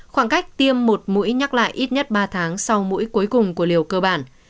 khoảng cách tiêm một mũi nhắc lại ít nhất ba tháng sau mũi cuối cùng của liều cơ bản